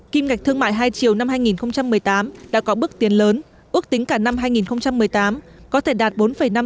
kim ngạch thương mại hai chiều năm hai nghìn một mươi tám đã có bước tiến lớn ước tính cả năm hai nghìn một mươi tám